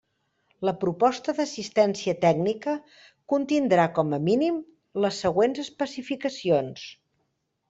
La proposta d'assistència tècnica contindrà com a mínim, les següents especificacions.